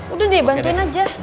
udah deh bantuin aja